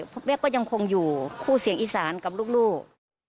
คุณแม่ก็ยังคงอยู่คู่เสียงอีสานกับลูก